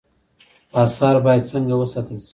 آثار باید څنګه وساتل شي؟